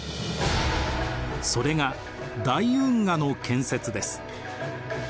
それが大運河の建設です。